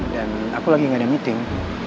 dan aku lagi gak ada meeting